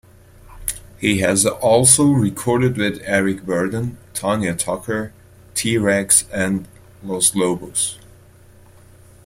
He has also recorded with Eric Burdon, Tanya Tucker, T. Rex and Los Lobos.